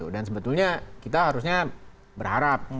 dan sebetulnya kita harusnya berharap